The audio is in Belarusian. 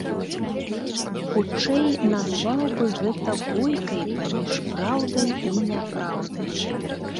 Хутчэй, назваў бы гэта бойкай паміж праўдай і няпраўдай.